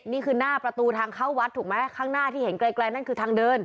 นี่คือหน้าประตูทางเข้าวัดถูกไหมข้างหน้าที่เห็นไกลนั่นคือทางเดิน